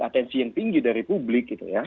atensi yang tinggi dari publik